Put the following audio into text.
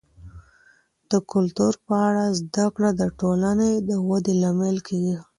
د کلتور په اړه زده کړه د ټولنې د ودي لامل کیږي.